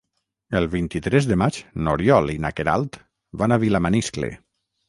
El vint-i-tres de maig n'Oriol i na Queralt van a Vilamaniscle.